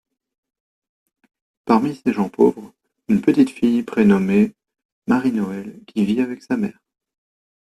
Parmi ces gens pauvres, une petite fille prénommé Marie-Noëlle qui vit avec sa mère.